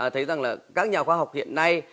thấy rằng là các nhà khoa học hiện nay